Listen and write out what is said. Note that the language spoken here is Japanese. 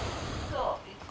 そう。